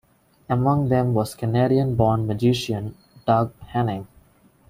Among them was Canadian-born magician Doug Henning.